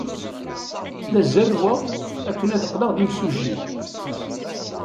La zerrweɣ akken ad qqleɣ d imsujji.